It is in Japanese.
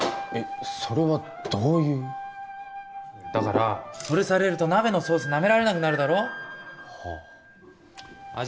それはどういうだからそれされると鍋のソースなめられなくなるだろ味